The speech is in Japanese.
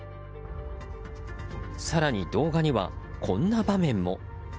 更に動画には、こんな場面も。